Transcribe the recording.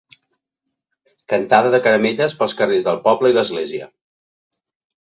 Cantada de caramelles pels carrers del poble i l'església.